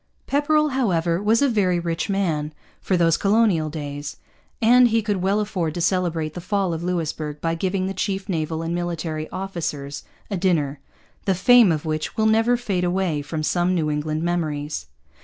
Pepperrell, however, was a very rich man, for those colonial days; and he could well afford to celebrate the fall of Louisbourg by giving the chief naval and military officers a dinner, the fame of which will never fade away from some New England memories.